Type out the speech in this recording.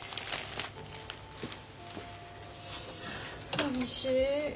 さみしい。